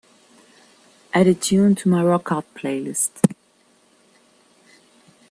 add a tune to my rock hard playlist